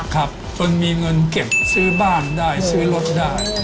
ครับจนมีเงินเก็บซื้อบ้านได้ซื้อรถได้